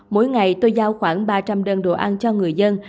mỗi ngày tôi giao khoảng ba trăm linh đơn đồ ăn cho người dân